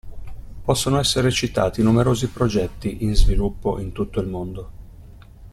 Possono essere citati numerosi progetti in sviluppo in tutto il mondo.